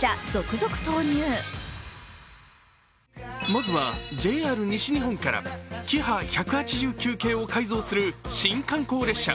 まずはＪＲ西日本からキハ１８９系を改造する新観光列車。